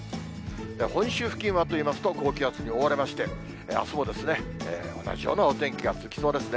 本州付近はといいますと、高気圧に覆われまして、あすも同じようなお天気が続きそうですね。